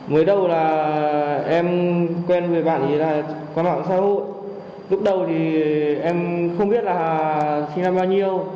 về bạn ấy là con bạn xã hội lúc đầu thì em không biết là sinh năm bao nhiêu